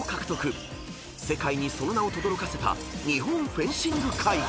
［世界にその名をとどろかせた日本フェンシング界］